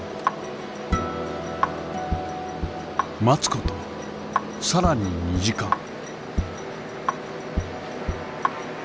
待つ事更に２時間。